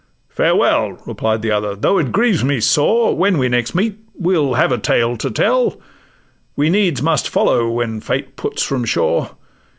'—'Farewell!' Replied the other; 'though it grieves me sore; When we next meet we'll have a tale to tell: We needs must follow when Fate puts from shore.